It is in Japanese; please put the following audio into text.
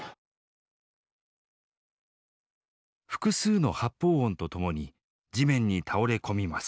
複数の発砲音とともに地面に倒れ込みます。